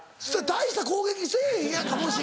大した攻撃せぇへんやんか。